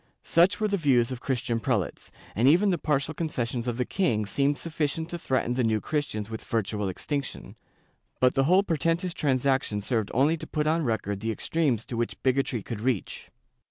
* Such were the views of Christian prelates, and even the partial concessions of the king seemed sufficient to threaten the New Chris tians with virtual extinction, but the whole portentous trans action served only to put on record the extremes to which bigotry could reach.